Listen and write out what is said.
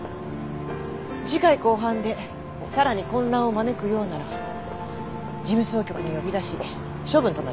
次回公判でさらに混乱を招くようなら事務総局に呼び出し処分となります。